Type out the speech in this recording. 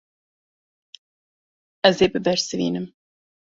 Ez ê bibersivînim.